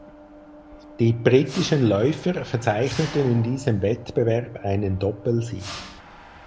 Die britischen Läufer verzeichneten in diesem Wettbewerb einen Doppelsieg.